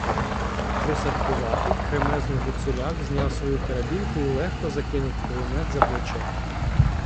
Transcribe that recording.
Присадкуватий, кремезний Гуцуляк зняв свою карабінку й легко закинув кулемет за плече.